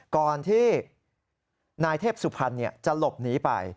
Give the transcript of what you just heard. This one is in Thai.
ก่อนที่นายเทพสุพรรณจะหลบหนีไป